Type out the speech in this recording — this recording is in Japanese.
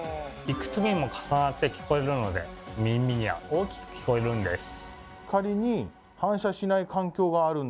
いくつにも重なって聞こえるので耳には大きく聞こえるんです。